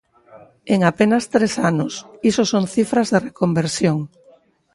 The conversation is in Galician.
En apenas tres anos, iso son cifras de reconversión.